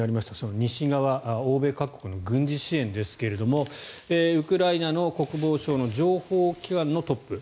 西側、欧米各国の軍事支援ですがウクライナの国防省の情報機関のトップ。